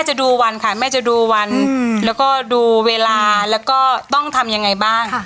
จะดูวันค่ะแม่จะดูวันแล้วก็ดูเวลาแล้วก็ต้องทำยังไงบ้าง